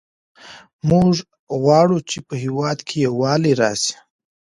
موږ غواړو چې په هېواد کې یووالی راسي.